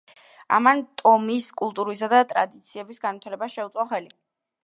ამან, ტომის კულტურისა და ტრადიციების განივითარებას შეუწყო ხელი.